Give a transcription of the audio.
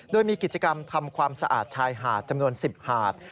โดยมีกิจกรรมทำความสะอาดชายหาดจำนวน๑๐หาด